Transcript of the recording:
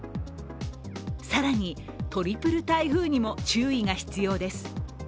更にトリプル台風にも注意が必要です。